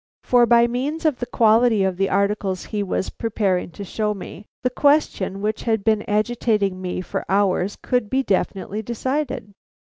For by means of the quality of the articles he was preparing to show me, the question which had been agitating me for hours could be definitely decided.